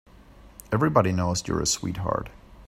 Everybody knows you're a sweetheart.